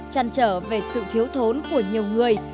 trăn trở về sự thiếu thốn của nhiều người